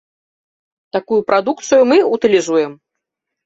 Такую прадукцыю мы ўтылізуем.